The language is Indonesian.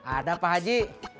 ada pak haji